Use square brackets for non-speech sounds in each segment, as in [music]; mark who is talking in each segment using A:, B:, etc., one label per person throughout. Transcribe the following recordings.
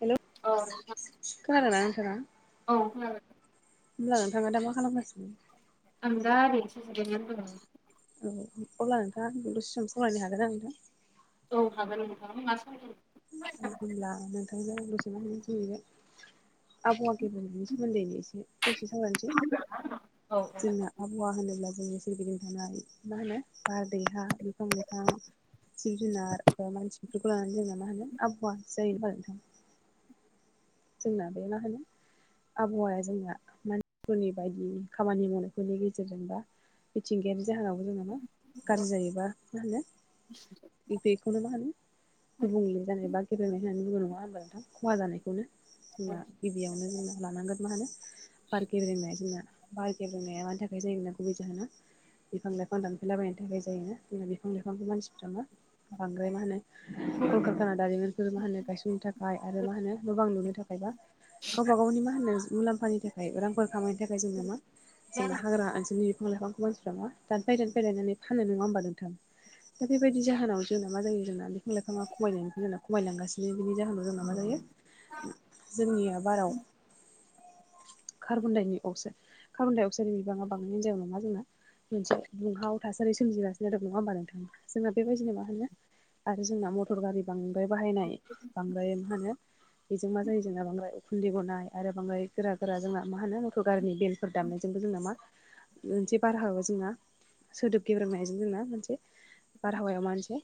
A: हेल'
B: औ नोंथां
A: खोनादो ना नोंथाङा।
B: औ खोनादों
A: होमब्ला नोंथाङा दा मा खालामगासिनो।
B: आं दा ओरैनोसो जिरायनानैसो दङ।
A: औ अब्ला नोंथाङा आंजों दसे सम सावरायनो हागोन ना नोंथां।
B: औ हागोन नोंथां [unintelligible]
A: औ होमब्ला नोंथांजों दसे [unintelligible] जहैगोन। आबहावा गेब्रेनायनि सोमोन्दैनि एसे। दसे सावरायनोसै
B: औ
A: जोंना आबहावा होनोब्ला जोंनि सोरगिदिं थानाय मा होनो बार दै हा बिफां लाइफां। जिब जुनार ओ मानसिफोरबो लानानै जोंना मा होनो आबहावा जायो नोंथां। जोंना बे मा होनो आबहावाया जोंनिया मानसिफोरनि बायदि खामानि मावनायखो नुयो [unintelligible] मिथिंगायारि जाहोनाव जोङो मा गाज्रि जायोबा मा होनो ए बेखौनो मा होनो गुबुंले जानाय बा गेबेंनाय होननानै बुङो नङा होनबा नोंथां खहा जानायखौनो। जोंना गिबियावनो जोंना लानांगोन मा होनो [unintelligible] बार गेबेंनाया मानि थाखाय जायो [unintelligible] गुबै जाहोना। बिफां लाइफां दानफैला बायनायनि थाखाय जायोना [unintelligible] बिफां लाइफां मानसिफ्रामा। बांद्राय मा होनो [unintelligible] दारिमिनखौ मा होनो गायसननो थाखाय आरो मा होनो गोबां लुनो थाखाय बा गावबा गावनि मा होनो मुलाम्फानि थाखाय रांफोर खामायनो थाखाय जोंनो मा जोंना हाग्रा ओनसोलनि बिफां लाइफांखौ [unintelligible] फ्रामा दानफै-दानफै लायनानै फानो नङा होमबा नोंथां। दा बेबायदि जाहोनाव जोंना मा जायो जोंना बिफां दा बेबायदि जाहोनाव बिफां लाइफाङा खमायनायनि जोंना खमायलांगासिनो बिनि जाहोनाव जोंना मा जायो। जोंनिया बाराव कार्बनदाइनि अक्साय कार्बनडाइ अक्साइ बिबाङा बांबोनायनि जाहोनाव मा जोंना मोनसे दुंहाव थासारि सोमजिगासिनो दं नङा होमबा नोंथां जोङो बेबायदिनो मा होनो। आरो जोंना मटर गारि बांद्राय बाहायनाय बांद्राय मा होनो। बेजों मा जायो जोंना बांद्राय उखुन्दै गनाय आरो बांद्राय गोरा-गोरा जोंना मा होनो मथ' गारिनि बेल फोर दामनायजोंबो जोंना मा मोनसे बारहावायाव जोंना सोदोब गेब्रोमनायजों जोंना मोनसे बारहावाया मानसे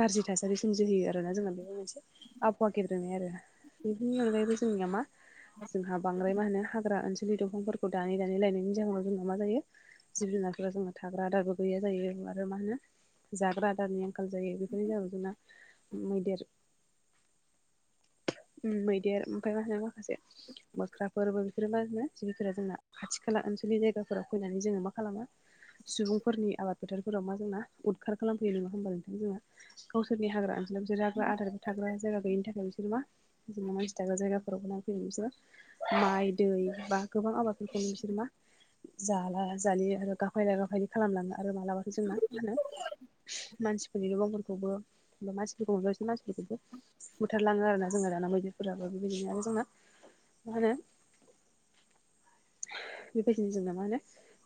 A: गाज्रि थासारि सोमजिहोयो आरो ना जोंहा बे मोनसे आबहावा गेब्रेंनाय आरो ना। बेफोरनि अनगायैबो जोंनिया मा जोंहा बांद्राय मा होनो हाग्रा ओनसो बेफोरबादि दंफांफोरखौ दानै दानै लायनायनि जाहोनाव जोंना मा जायो। जिब-जुनारफोर जोंना थाग्रा आदारबो गैया जायो आरो मा होनो जाग्रा आदारनि आंखाल जायो बेफोरनि जाहोनाव जोंना मैदेर ओम मैदेर ओमफ्राय मा होनो माखासे मोख्राफोरबो बेफोरो मा होनो जिबिफोरा जोंना खाथि खाला ओनसोलनि जायगाफोराव फैनानै जोङो मा खालामो सुबुंफोरनि आबाद फोथारफोराव मा जोंना उदखार खालामफैयो नङा होमबा नोंथां जोंना। गावसोरनि हाग्रा ओनसोलाव बिसोरो हाग्रा आदारफोर थाग्रा जायगा गोयैनि थाखाय बिसोर मा जों मानसि था ग्रा जायगाफोराव बोनाय फैना बिसोरो माइ, दै बा गोबां आबादफोरखौ बिसोर मा जाला जालि आरो गाफायला गाफायलि खालामलाङो आरो मालाबाथो जोंना मा होनो मानसिफोरनि न'बांफोरखौबो मानसिफोरखौ मोनबा मानसिफोरखौबो बुथारलाङो आरो ना। जोंना दाना मैदेरफोराबो बेबायदिनो आरो जोंना मा होनो बेबायदिनो जोंना मा होनो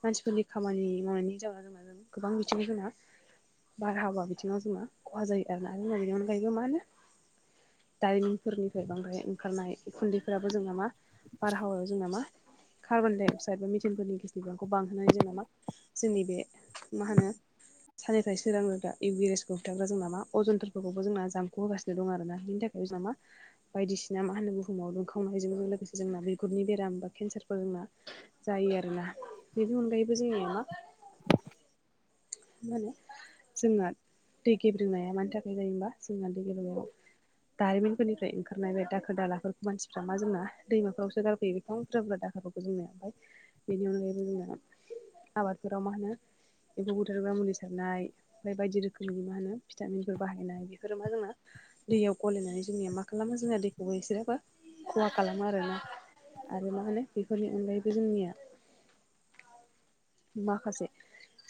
A: मानसिफोरनि खामानि मावनायनि जावा जोंना गोबां बिथिंआव जोंना बारहावा बिथिंआव जोंना खहा जायो आरोना। बेनि अनगायैबो मा होनो दारिमिनफोरनिफ्राय बांद्राय ओंखारनाय उखुन्दैफोराबो जोंना मा बारहावायाव जोंना मा कार्बन डाइ अक्साइड मिटिनफोरनि गेसनि बिबांखौ बांहोनानै जोंना मा जोंनि बे मा होनो साननिफ्राय सोरां होग्रा इउबेइसखौ होबथाग्रा जों नामा अजनफोरखौबो जोंना जामख' होगासिनो दं आरोना बेनि थाखा आइजामा बायदिसिना मा होनो बुहुमाव दुंखावनायजों लोगोसे जोंना बिगुरनि बेराम बा केन्सारफोर जोंना जायो आरोना बेनि अनगायैबो जोंनिया मा मा होनो जोंना दै गेब्रेंनाया मानि थाखाय जायोहोनबा जोंना दै गेेब्रेंनाया दारिमिनफोरनिफ्राय ओंखारनाय बे दाखोर दालाफोरखौ मानसिफ्रा मा जोंना दैमाफोरावसो गारफैयो बेसेबां बुरजा बुरजा दाखोरफोर जोंनावहाय बेनि अनगायैबो जोना आबादफोराव मा होनो एम्फौ बुथारग्रा मुलि सारनाय ओमफ्राय बायदि रोखोमनि मा होनो भिटामिनफोर बाहायनाय बेफोरो मा जोंना दैयाव गलायनानै जोंनिया मा खालामो जोंना दैखौबो इसोरबो खहा खालामो आरोना? आरो माहोनो बेफोरनि अनगायैबो जोंनिया माखासे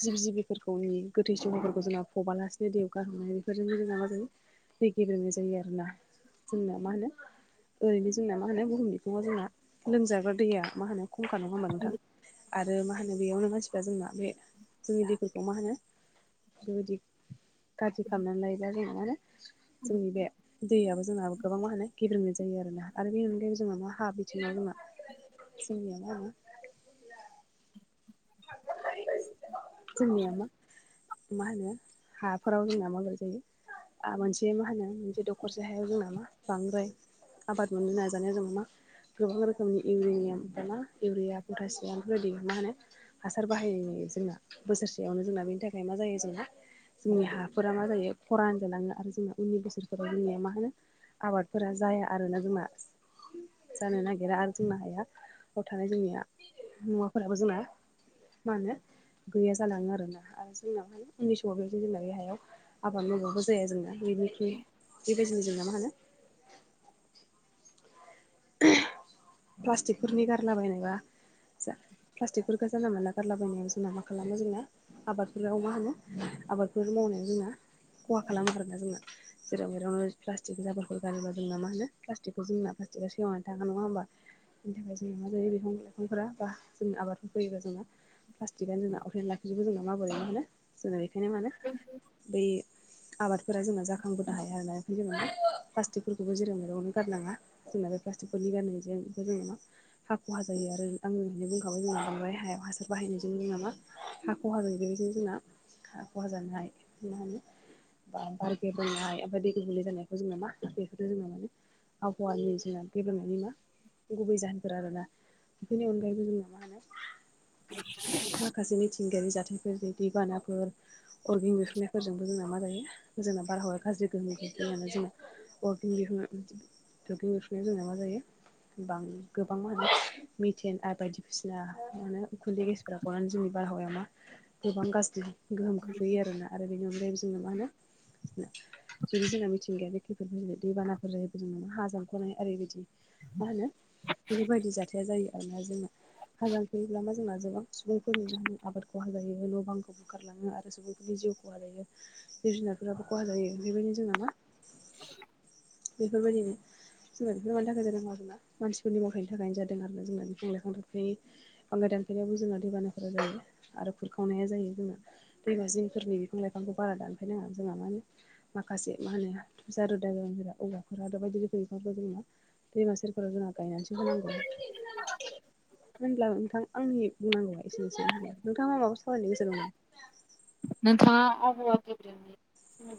A: जिब जिबिफोरखौनि गोथै समफोरखौ जोंना फबालासिनो दैयाव गारहरनाय बेफोरजोंनो जोंना मा जायो दै गेबेंनाय जायो आरोना। जोंना मा होनो? ओरैनो जोंना मा होनो बुहुमनिबिखुङाव जोंना लोंजाग्रा दैया मा होनो खमखा नङा होनबा नोंथां? आरो मा होनो? बेयावनो मानसिफोरा जोंना बे जोंनि दैफोरखौ मा होनो बेबायदि गाज्रि खालामनानै लायोब्ला जो मा होनो जोंनि बे दैयाबो जोंहा गोबां मा होनो गेब्रुंनाय जायो आरोना। आरो बेनि अनगायैबो जोंहा मा हा बिथिङाव जोंहा जोंनिआ मा होनो जोंनिया मा मा होनो हाफोराव जोंना मावनाय जायो। आ मोनसे मा होनो मोनसे दखरसे हायाव जोंना मा बांद्राय आबाद मोननो नाजानायाव जों मा गोबां रोखोमनि इउरिनियाम एमफ्राय मा इउरिया पटासियाम बेफोरबायदि मा होनो हासार बाहायो जोंना बोसोरसेयावनो जोंना बेनि थाखाय मा जायो जोंना जोंनि हाफोरा मा जायो खरान जालाङो आरो जों उननि बोसोरफोराव जोंनिया मा होनो आबादफोरा जाया आरोना जोंना? जानो नागिरा आरो जोंना हाया हथारै जोंनिया मुवाफोराबो जाया। मा होनो गैया जालाङो आरोना आरो जोंनावहाय उननि समाव जेबोला बे हायाव आबाद मावबाबो जाया जोंना बेनिख्रुइ बेबायदिनो जोंना मा होनो प्लास्टिकफोरनि गारलाबायनायबा जा प्लास्टिकफोरखौ जानला मोनला गारलाबायनायाव जोंना मा खालामो जोंना आबादफोराव मा होनो आबादफोर मावनायाव जोंना खहा खालामो आरोना जोंना जेराव मेरावनो प्लास्टिक जाबाफोर गारबा जोंना मा होनो प्लास्टिकखौ जोंना प्लास्टिकआ सेवानानै थाङा नङा होनबा जोंना बिनि थाखाय जों मा जायो बिफां लाइफांफोरा बा जोंनि आबादफोर फैयोबा जोंना प्लास्टिकानो जोंना अरेेन लाखिबो जोंना माबोरैमोनो जोंना बेखायनो मानो बै आबाद फोर जोंना जाखांबोनो हाया आरो बेफ्राय जोङो प्लास्टिकफोरखौबो जेरै मगावनो गारनाङा जोंना बे प्लास्टिकफोरनि गाननायजों जोंना मा हा खहा जायो आरो आं नानै बुंखाबाय जों ओमाय हायाव हासार बाहायनायजों जों नामा ह ख'हा जाहबायनो जोंना ख'हा जानोहाय मा होनो बा बारगे बनाय बा दैेग गोलै जानायखौ जोंना मा बेखौथ जोङो माने [unintelligible] गुबै जाहोनफोर आरोना बेफोरनि अनगायैबो जोंना मा होनो माखासे मिथिंगायारि जाथायफोर दैबानाफोर अरगेन बेरप्रुननायफोरजोंबो जोंना मा जायो जोंना बारहावाया गाज्रि गोहोमनिनानै जों वर्किं बिह दुगं उफुनाय जोंना मा जायो गोबां मा होनो थेन आर बायदिसिना उखुन्दै गेसफोरखौ जोंनि बारहावाया मा गोबां गाज्रि गोहोम खोख्लैयो आरोना आरो बेनि अनगायैबो जोंनो मा होनो जुदि जोंना मिथिंगाया बेखिफोर ज दैबानाफोर जाहायो जों नङा हाजों जानख'नाय आरोओरबायदि मा होनो बेफोरबायदि जाथाया जायो आरोना जोंना हाजाखोयोबा मा जोंना गोबां सुबुंफोर नुनानै आबादखौ हाजाायो न' बांखौ बोखारलाङो आरो सुबुंफोरनि जिउ खहा जायो जिब जुनारफोराबो खहा जायो बेबायदिनो जोंनाामा बेफोरबायदिनो जोंना बेफोर मानि थाखाय जादों जोंना मानसिनि मावथायाइनि थाखायनो जादों आरो जोंना बिफां लाइफां दंफाखाय दानखेयावबो जोंना दैबानाफोरा जायो आरो खुरखावनाया जायो जों ना दैमा जिंफोरनि बिफां लाइफांखौ बारा थानाइ नाङा जोंहा मा होनो माखासे मा होनो ज रोदा औवाफोराथ' बायदि दैबो जोंना दैमा सेरफोराव जोंना गायनानैसो होनांगोन। म होनब्ला नोंथां आंनि बुंनांगौआ एसेनो एसै होन नोंथाङा माबा खालामलायनो गोसो दङ।
B: नोंथाङा आफाहावा गेदनि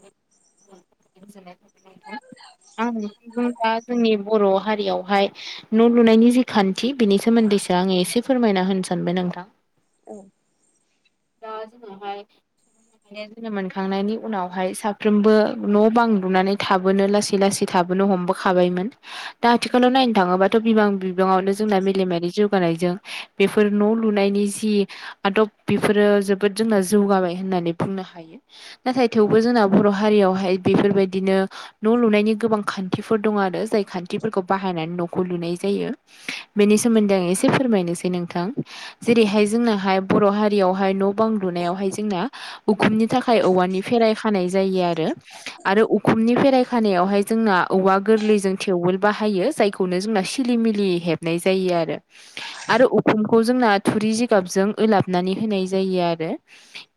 B: आं नंदों दा जोंनि बर' हारियावहाय न' लुनायनि जि खान्थि बिनि सोमोन्दैसो आङो एसे फोरमायना होनो सानबाय नोंथां।
A: औ।
B: [unintelligible]
A: [inaudible]
B: जोनोम मोनखांनायनि उनावहाय साफ्रोमबो न' बांलुनानै थाबोनो लासै लासै थाबोनो हमबो खाबायमोन आथिखालाव नायनो थाङोबाथ' बिबां बिबाङावनो जोंना जौगानायजों बेफोर न' लुनायनि जि आदब बेफोरो जोबोद जोंना जौगाबाय होननानै बुंनो हायो। नाथाय थेवबो जोंना बर' हारियावहाय बेफोरबायदिनो न' लुनायनि गोबां खान्थिफोर दं आरो जाय खान्थिफोरखौ बाहायनानै न'खौ लुनाय जायो बेनि सोमोन्दै आं एसे फोरमायनोसै नोंथां जेरैहाय जोंनाहाय बर' हारि ह न' बां लुनायावहाय जोंनि उखुमनि थाखाय औवानि फेराय खानाय जायो आरो आरो उखुमनि फेराय खानायावहाय जोंना औवा गोरलैजों थेववेल बाहायो जायखौनो जोंना सिलि मिलि हेब नाय जायो आरो आरो उखुमखौ जोंना थुरि जिगाबजों ओला नानै होनाय जायो आरो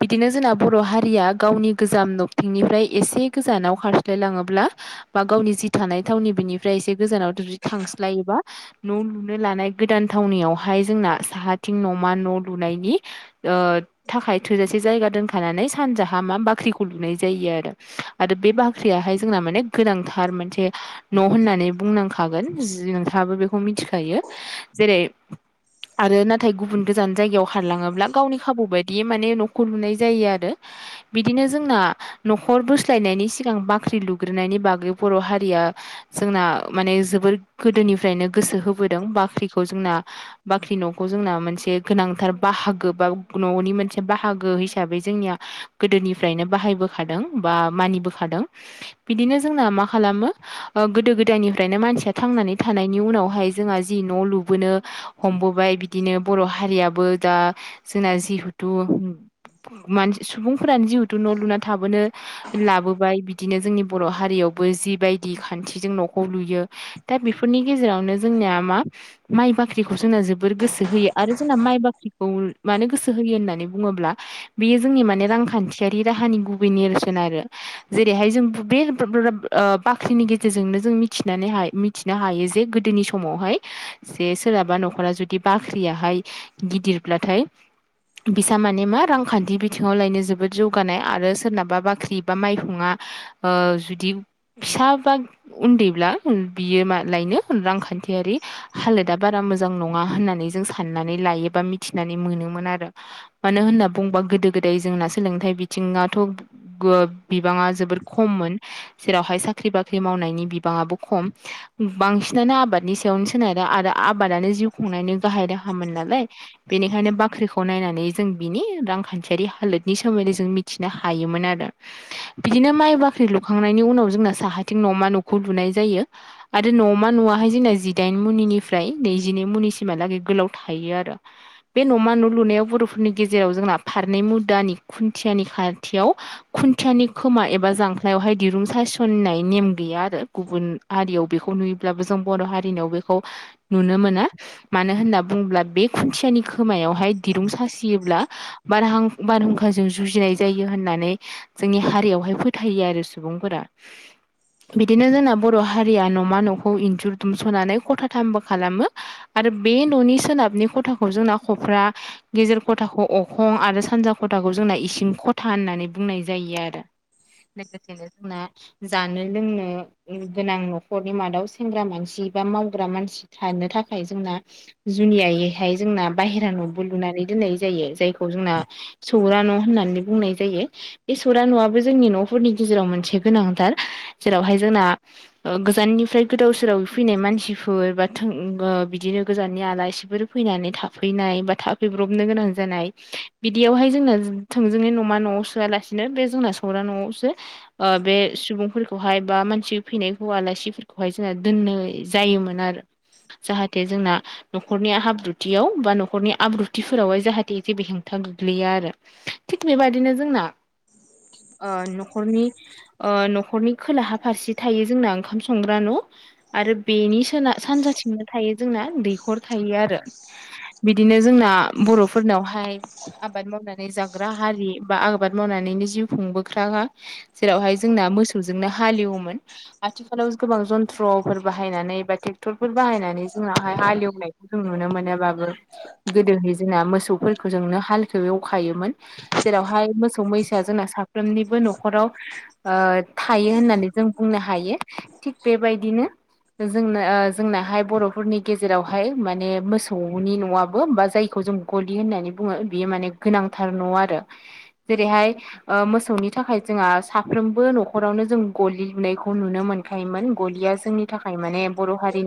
B: बिदिनो जोंना बर' हारिया गावनि गोजाम दबथिंनिफ्राय एसे गोजानाव खारस्लायलाङोब्ला बा गावनि जि थानाय थावनि बिनिफ्राय एसे गोजानाव जुदि थांस्लायोबा न' लुनो लानाय गोदान थावनियावहाय जोंना साहाथिं न'मा न' लुनायनि ओ थाखाय थोजासे जायगा दोनखानानै सानजाहा मा बाख्रिखौ लुनाय जायो आरो आरो बे बाख्रियाहाय जोंना माने गोनांथार मोनसे न' होननानै बुंनांखागोन जि नोंथाङाबो बेखौ मिथिखायो जेरै आरो नाथाय गुबुन गोजान जायगायाव खरलाङोब्ला गावनि खाबु बायदि बिदि माने न'खौ लुनाय जायो आरो बिदिनो जोंना न'खर बोस्लायनायनि सिगां बाख्रि लुग्रोननायनि बागै बर' हारिया जोंना माने जोबोर गोदोनिफ्रायनो गोसो हो बोदों बाख्रिखौ जोंना बाख्रि न'खौ जोंना मोनसे गोनांथार बाहाग गोबा न'नि मोनसे बाहागो हिसाबै जोंनिया गोदोनिफ्रायनो बाहायबो खादों बा मानि बोखादों बिदिनो जोंना खालामो ओ गोदो गोदायनिफ्रायनो मानसिया थांनानै थानायनि उनावहाय जोंहा जि न' लु बोनो हमबोबाय बिदिनो बर' हारियाबो दा जोंना जिहेथु मान सुबुंफोरानो जिहेथु न' लुना थाबोनो लाबोबाय बिदिनो जोंनि बर' हारियावबो जिबायदि खान्थिजों न'खौ लुयो दा बेफोरनि गेजेरावनो जोंनिया मा माइ बाख्रिखौ जोंना जोबोर गोसो होयो आरो जोंना माइ बाख्रिखौ खौ मानो गोसो होयो होननानै बुङोब्ला बेयो जोंनि माने रांखान्थियारि राहानि गुबै नेरसोन आरो जेरैहाय जों बे [unintelligible] ओ बाख्रिनि गेजेरजोंनो जों मिथिनानै मिथिनो हायो जे गोदोनि समावहाय जे सोरहाबा न'खरा जुदि बाख्रियाहाय गिदिर ब्लाथाय बिसा माने मा रांखान्थि बिथिङाव लायनो जोबोद जौगानाय आरो सोरनाबा बाख्रि बा माइहुङा ओ जुदि फिसा बा उन्दैब्ला बियो मा लायनो रांखान्थियारि हालोदा बारा मोजां नङा होननानै जों साननानै लायोबा मिथिनै मोनोमोन आरो मानो होनना बुंओबा गोदो गोदै जोंना सोलोंथाइ बिथिङाथ' गो बिबाङा जोबोर खममोन जेरावहाय साख्रि बाख्रि मावनायनि बिबाङा बो खम बांसिनानो आबादनि सायावनो सोनारो आरो आबादनो जिउ खुंनायनि गाहाय राहामोन नालाय बेनिखायनो बाख्रिखौ नायनानै जों बिनि रांखान्थियारि हालोदनि सोमोन्दै जों मिथिनो हायोमोन आरो बिदिनो माइ बाख्रि लुखांनायनि उनाव जोंना साहाथिं न'मा न'खौ लुनाय जायो। आरो न'मा न'वाहाय जोंना जिदाइन मुनिफ्राय नैजिनै मुनिसिमहालागै गोलाव थायो आरो बे न'मा न' लुनायाव बर'फोरनि गेजेराव जोंना फारनै मुदानि खुन्थियानि खाथियाव खुन्थियानि खोमा एबा जांख्लायावहाय दिरुं सायसननाय नेम गैया गुबुन हारियाव बेखौ नुयोब्लाबो जों बर' हारिनियाव बेखौ खौ नुनो मोना मानो होनना बुङोब्ला बे खुथियानि खोमायावहाय दिरुं सासियोब्ला बारहां बारहुंखाजों जुजिनाय जायो होननानै जोंनि हारियावहाय फोथायो आरो सुबुंफोरा बिदिनो जोंना बर' हारिया न'मा न'खौ इन्जुर दुमस'नानै खथाथामबो खालामो आरो बे न'नि सोनाबनि खथाखौ जोंनाख'फ्रा गेजेर खथाखौ अखं आरो सानजा खथाखौ जोंना इसिं खथा होननानै बुंनाय जायो आरो लोगोसेनो जोंना जानो लोंनो गोनां न'खरनि मादाव सेंग्रा मानसि बा मावग्रा मानसि थानो थाखाय जोंना जुनियायैहाय जोंना बाहेर न'खौ लुनानै दोननाय जायो जायखौ खौ जोंना सौरा न' होननानै बुंनाय जायो बे सौरा न'आबो जोंनि न'फोरनि गेजेराव मोनसे गोनांथार जेरावहाय जोंना गोजाननिफ्राय गोदाव सोराव फैनाय मानसिफोर बा थों ओ बिदिनो गोजाननि आलासिफोर फैनानै था फैनाय बा थाफैब्रबनो गोनां जानाय बिदियावहाय जोंना थोंजोङै न'मा न'आव सोआलासेनो बिदिनो बे जोंना सौरा न'आवसो ओ बे सुबुंफोरखौहाय बा मानसि फैनाय हौव आलासिफोरखौहाय जोंहा दोननाय जायोमोन आरो जाहाथे जोंना नखरनि हाब्रुथियाव बा न'खरनि आब्रुथिफोरावहाय जाहाथे जेबो हेंथा गोग्लैया आरो थिग बेबायदिनो जोंना आ न'खरनि ओ न'खरनि खोलाहा फारसे थायो जोंना ओंखाम संग्रा न' आरो बेनि सोना सानजाथिंनो थायो जोंना दैखर थायो आरो बिदिनो जोंना बर'फोरनावहाय आबाद मावनानै जाग्रा हारि बा आबाद मावनानैनो जिउ खुंबोग्रा जेरावहाय जोंना मोसौजोंनो हालेवोमोन आथिखालाव गोबां जन्थ्रफोर बाहायनानै बा ट्रेक्टरफोर बाहायनानै जोंनावहाय हालेवनाय जों नुनो मोनोबाबो गोदोहाय जोंना मोसौफोरखौ जोंनो हालखौ एवखायोमोन जेरावहाय मोसौ मैसोआ जोंना साफ्रोमनिबो न'खराव ओ थायो होननानै जों बुंनो हायो थिग बेबायदिनो जोंना जोंनाहाय बर'फोरनि गेजेरावहाय माने मोसौनि नवा खौबो बा जायखौ जों गलि होननानै बुङो बियो माने गोनांथार न'आरो जेरैहाय ओ मोसौनि थाखाय जोंहा साफ्रोमबो न'खरावनो जों गलिहोनायखौ नुनो मोनोन खायमोन गलिया जोंनि थाखाय माने बर' हारिनि